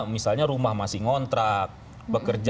misalnya rumah masih ngontrak